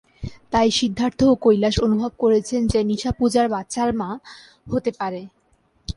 তাই সিদ্ধার্থ ও কৈলাস অনুভব করেছেন যে নিশা পূজার বাচ্চার মা হতে পারে।